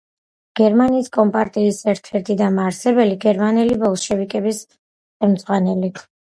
გერმანიის კომპარტიის ერთ-ერთი დამაარსებელი, გერმანელი ბოლშევიკების ხელმძღვანელი.